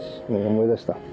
思い出した？